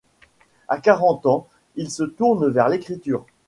À quarante ans, il se tourne vers l'écriture.